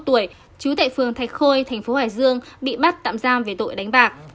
trú tại phường thạch khôi thành phố hải dương bị bắt tạm giam về tội đánh bạc